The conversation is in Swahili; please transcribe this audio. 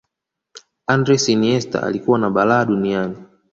andres iniesta alikuwa na balaa duniani